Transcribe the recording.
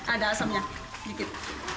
ada asamnya sedikit